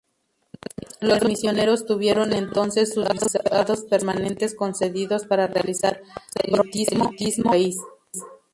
Los misioneros tuvieron, entonces, sus visados permanente concedidos para realizar proselitismo en el país.